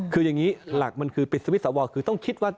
คืออย่างนี้หลักมันคือปิดสวิตชอคือต้องคิดว่า